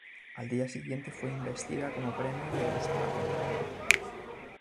Al día siguiente fue investida como "premier" de Australia.